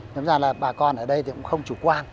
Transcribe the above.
thế nên là bà con ở đây thì cũng không chủ quan